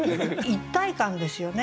一体感ですよね。